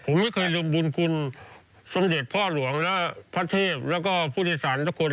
ผมไม่เคยลืมบุญคุณสมเด็จพ่อหลวงและพระเทพแล้วก็ผู้โดยสารทุกคน